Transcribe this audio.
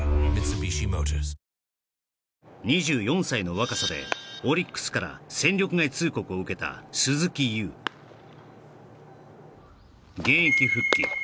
２４歳の若さでオリックスから戦力外通告を受けた鈴木優現役復帰